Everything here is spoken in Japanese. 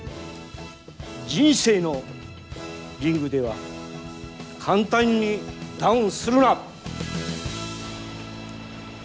人生のリングでは簡単にダウンするな。